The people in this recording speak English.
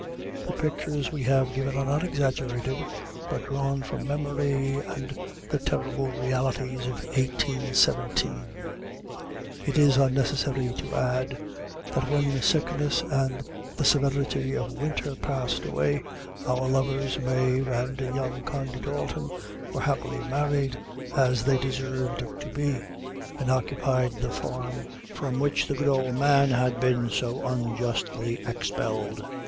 The pictures we have given are not exaggerated, but drawn from memory and the terrible realities of 1817. It is unnecessary to add, that when sickness and the severity of winter passed away, our lovers, Mave and young Condy Dalton, were happily married, as they deserved to be, and occupied the farm from which the good old man had been so unjustly expelled.